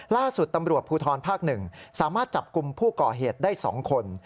ล่าสุดตำรวจภูทรภาค๑สามารถจับกลุ่มผู้ก่อเหตุได้๒คน